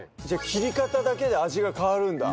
切り方だけで味が変わるんだ？